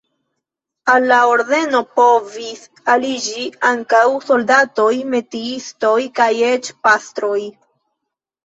Al la ordeno povis aliĝi ankaŭ soldatoj, metiistoj kaj eĉ pastroj.